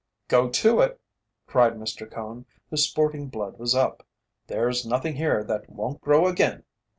"Go to it!" cried Mr. Cone, whose sporting blood was up. "There's nothin' here that won't grow again.